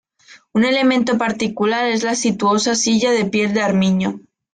Un elemento particular es la suntuosa silla de piel de armiño.